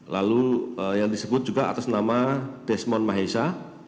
lalu yang disebut juga atas nama desmond mahesa